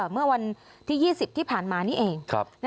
เมื่อวันที่๒๐ที่ผ่านมานี่เอง